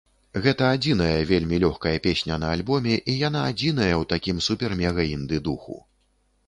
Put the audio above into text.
Гэта адзіная вельмі лёгкая песня на альбоме, і яна адзіная ў такім супер-мега-інды духу.